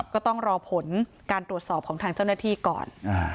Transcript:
ก็ต้องรอผลการตรวจสอบของทางเจ้าหน้าที่ก่อน